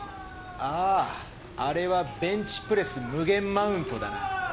あああれはベンチプレス無限マウントだな。